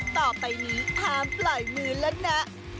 ต่อไปนี้ห้ามปล่อยมือแล้วนะ